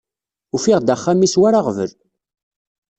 Ufiɣ-d axxam-is war aɣbel.